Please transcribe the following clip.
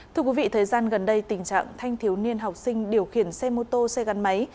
thưa quý vị thời gian gần đây tình trạng thanh thiếu niên học sinh điều khiển xe mô tô xe gắn máy